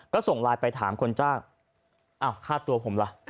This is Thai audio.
ก็ส่งไลน์ไปถามคนจ้างอ้าวค่าตัวผมล่ะ